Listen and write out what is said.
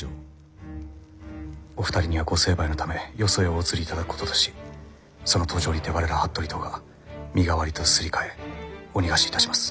お二人にはご成敗のためよそへお移りいただくこととしその途上にて我ら服部党が身代わりとすり替えお逃がしいたします。